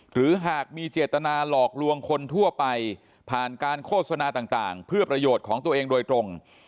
หรือหากมีเจตนาหลอกลวงคนทั่วไปผ่านการโฆษณาต่างเพื่อประโยชน์ของตัวเองโดยตรง